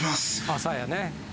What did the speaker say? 朝やね。